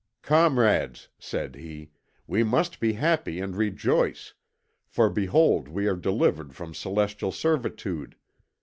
"'Comrades,' said he, 'we must be happy and rejoice, for behold we are delivered from celestial servitude.